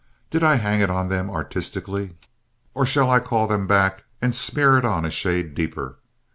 Did I hang it on them artistically, or shall I call them back and smear it on a shade deeper?